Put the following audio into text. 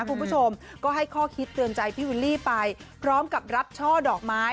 คุณผู้ชมก็ให้ข้อคิดเตือนใจพี่วิลลี่ไปพร้อมกับรับช่อดอกไม้